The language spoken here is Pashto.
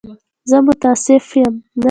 زه متأسف یم.